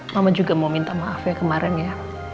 mama juga mau minta maaf ya kemarin ya